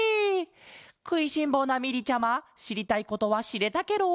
くいしんぼうなみりちゃましりたいことはしれたケロ？